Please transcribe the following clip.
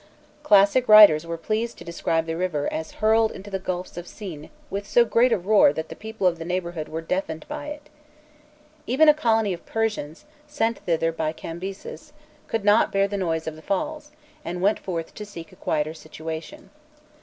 Classic writers were pleased to describe the river as hurled into the gulfs of Syne with so great a roar that the people of the neighbourhood were deafened by it. Even a colony of Persians, sent thither by Cambyses, could not bear the noise of the falls, and went forth to seek a quieter situation.